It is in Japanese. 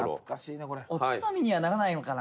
宮田：おつまみにはならないのかな？